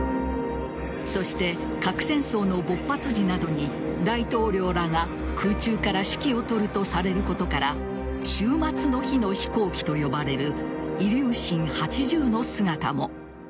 そして、核戦争の勃発時などに大統領らが空中から指揮を執るとされることから終末の日の飛行機と呼ばれるイリューシン８０の姿も。